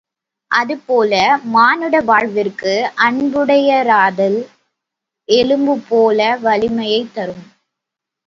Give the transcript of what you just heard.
அதுபோல மானுட வாழ்விற்கு அன்புடையராதல், எலும்புபோல் வலிமையைத் தரும்.